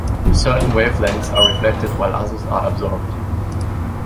Certain wavelengths are reflected, while others are absorbed.